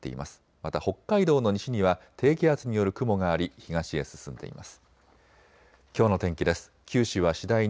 また北海道の西には低気圧による雲があり東へ進んでいます。